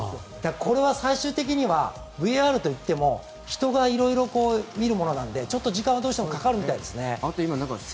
最終的にはＶＡＲといっても人が見るものなので時間はどうしてもかかるみたいですね。